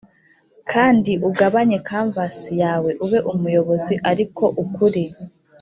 kandi ugabanye canvas yawe, ube umuyobozi ariko ukuri,